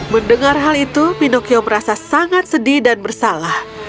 mendengar hal itu pinocchio merasa sangat sedih dan bersalah